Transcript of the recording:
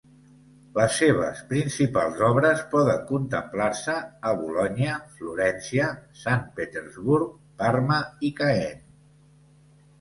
Les seves principals obres poden contemplar-se a Bolonya, Florència, Sant Petersburg, Parma i Caen.